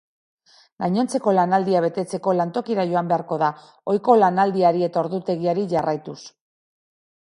Gainontzeko lanaldia betetzeko lantokira joan beharko da ohiko lanaldiari eta ordutegiari jarraituz.